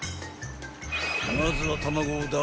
［まずは卵を］